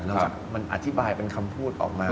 แล้วก็มันอธิบายเป็นคำพูดออกมา